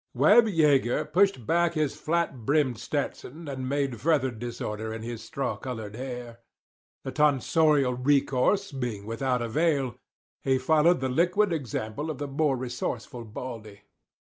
Webb Yeager pushed back his flat brimmed Stetson, and made further disorder in his straw coloured hair. The tonsorial recourse being without avail, he followed the liquid example of the more resourceful Baldy.